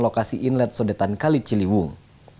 lokasi inlet sodetan kali ciliwung